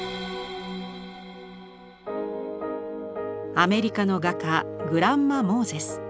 アメリカの画家グランマ・モーゼス。